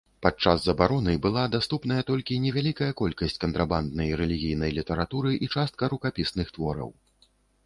Падчас забароны была даступная толькі невялікая колькасць кантрабанднай рэлігійнай літаратуры і частка рукапісных твораў.